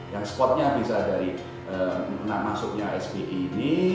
yang spotnya bisa dari masuknya sbe ini